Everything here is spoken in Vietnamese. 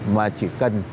mà chỉ cần